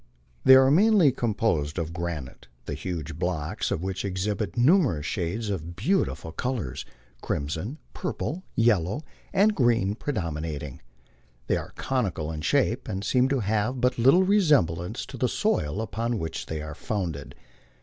They are mainly composed of granite, the huge blocks of which exhibit numer ous shades of beautiful colors, crimson, purple, yellow, and green predominat ing. They are conical in shape, and seem to have but little resemblance to the soil upon which they are founded.